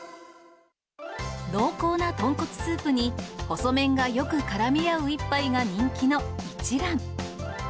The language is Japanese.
濃厚な豚骨スープに細麺がよくからみ合う一杯が人気の一蘭。